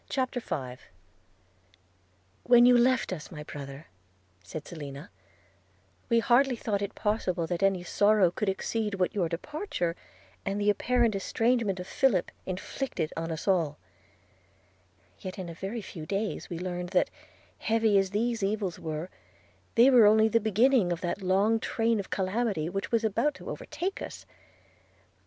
CHAPTER V 'WHEN you left us, my brother,' said Selina, 'we hardly thought it possible that any sorrow could exceed what your departure and the apparent estrangement of Philip inflicted on us all; yet in a very few days we learned that, heavy as these evils were, they were only the beginning of that long train of calamity which was about to overtake us.